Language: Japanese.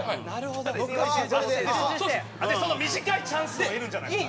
その短いチャンスを得るんじゃないですか？